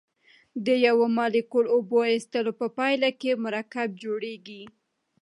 د یو مالیکول اوبو ایستلو په پایله کې مرکب جوړیږي.